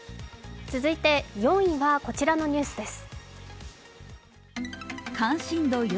続いて、４位はこちらのニュースです。